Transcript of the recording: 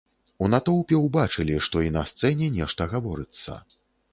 У натоўпе ўбачылі, што й на сцэне нешта гаворыцца.